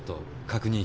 確認？